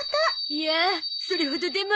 いやあそれほどでも！